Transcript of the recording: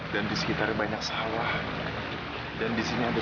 sampai tidurnya kayak anak bayi